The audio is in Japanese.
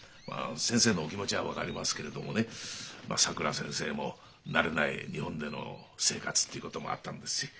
先生のお気持ちは分かりますけれどもねさくら先生も慣れない日本での生活ということもあったんですし。